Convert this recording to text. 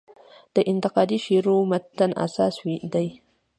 د انتقادي شعور و متن اساس دی.